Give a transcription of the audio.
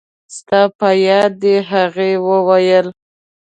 ستا په یاد دي؟ هغې وویل.